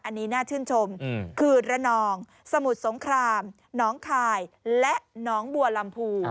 อันนี้น่าชื่นชมคือระนองสมุทรสงครามน้องคายและน้องบัวลำพู